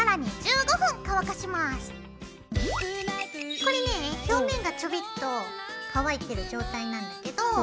これね表面がちょびっと乾いてる状態なんだけど。